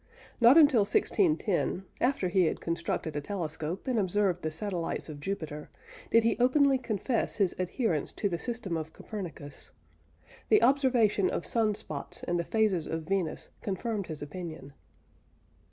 Not until 1610, after he had constructed a telescope and observed the satellites of Jupiter, did he openly confess his adherence to the system of Copernicus. The observation of sun spots and the phases of Venus confirmed his opinion.